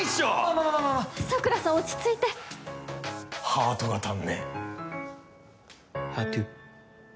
まあまあまあ桜さん落ち着いてハートが足んねえハートゥ？